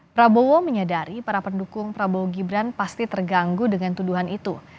prabowo menyadari para pendukung prabowo gibran pasti terganggu dengan tuduhan itu